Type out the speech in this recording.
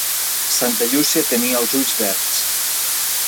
Santa Llúcia tenia els ulls verds.